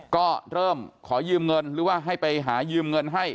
ก็เริ่มขอยืมเงินหรือว่าให้ไปหายืมเงินให้